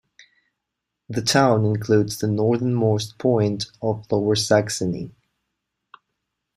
The town includes the northernmost point of Lower Saxony.